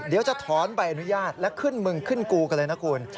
เดี๋ยวจะถอนใบอนุญาตและขึ้นมึงขึ้นกูกันเลยนะคุณ